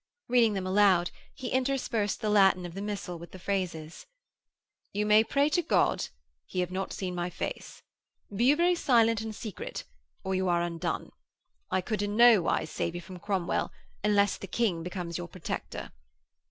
Reading them aloud, he interspersed the Latin of the missal with the phrases, 'You may pray to God he have not seen my face. Be you very silent and secret, or you are undone. I could in no wise save you from Cromwell unless the King becomes your protector.'